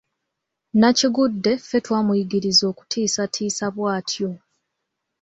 Nnakigudde ffe twamuyigiriza okutiisatiisa bw’atyo.